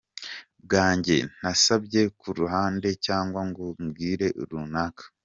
bwanjye ntasabye ku ruhande cyangwa ngo mbwire runaka.